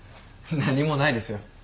何もないですよ。